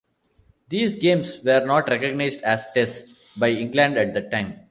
These games were not recognised as Tests by England at the time.